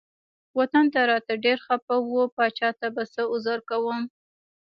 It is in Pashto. وطن ته راته ډیر خپه و پاچا ته به څه عذر کوم.